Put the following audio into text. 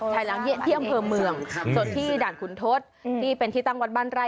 ชายหลังเยี่ยนเที่ยงเผอร์เมืองจนที่ด่านขุนทศที่เป็นที่ตั้งวันบั้นไร่